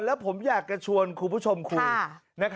แล้วผมอยากจะชวนคุณผู้ชมคุย